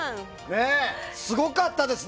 すごかったですね。